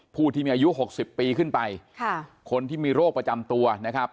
ผู้ที่มีอายุหกสิบปีขึ้นไปค่ะคนที่มีโรคประจำตัวนะครับ